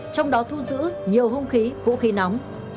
trong đó thu giữ nhiều hung khí vũ khí nóng